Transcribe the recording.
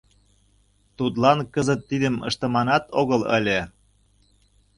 Тудлан кызыт тидым ыштыманат огыл ыле.